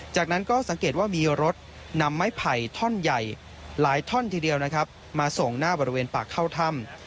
จากนั้นก็สังเกตว่ามีรถนำไม้ไผ่ท่อนใหญ่มาส่งหน้าบริเวณปากเข้าถ้ำ